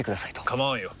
構わんよ。